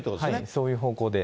そういう方向で。